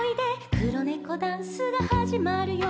「くろネコダンスがはじまるよ」